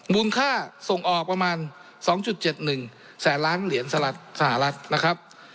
ค่าส่งออกประมาณ๒๗๑แสนล้านเหรียญสหรัฐนะครับ